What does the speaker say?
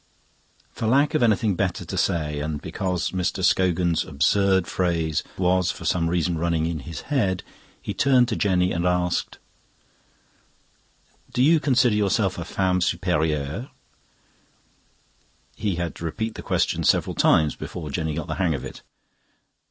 For lack of anything better to say, and because Mr. Scogan's absurd phrase was for some reason running in his head, he turned to Jenny and asked: "Do you consider yourself a femme superieure?" He had to repeat the question several times before Jenny got the hang of it.